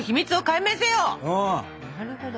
なるほど。